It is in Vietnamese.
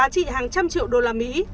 ba trăm linh triệu đô la mỹ